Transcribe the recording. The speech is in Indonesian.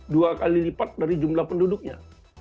dua kali lipat dari jumlah penduduknya